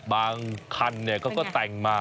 บางขั้นก็แปลงมา